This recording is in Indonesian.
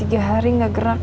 tiga hari gak gerak